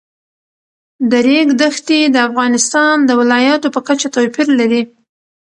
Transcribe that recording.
د ریګ دښتې د افغانستان د ولایاتو په کچه توپیر لري.